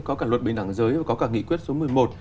có cả luật bình đẳng giới và có cả nghị quyết số một mươi một